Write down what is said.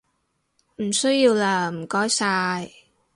唔需要喇唔該晒